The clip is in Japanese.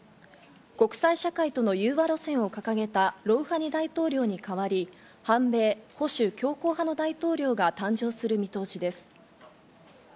国際社会との融和路線を掲げたロウハニ大統領に代わり、反米・保守強硬派の大統領が誕生する見通しです。